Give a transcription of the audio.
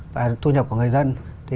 và thu nhập của người dân